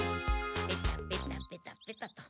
ペタペタペタペタと。